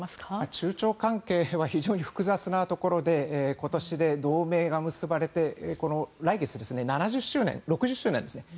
中朝関係は非常に複雑なところで今年で同盟が結ばれて来月６０周年。